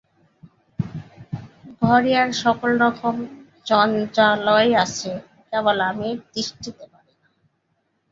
ঘরে আর সকল রকম জঞ্জালই আছে, কেবল আমি তিষ্ঠিতে পারি না।